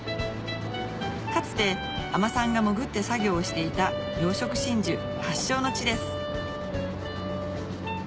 かつて海女さんが潜って作業をしていた養殖真珠発祥の地です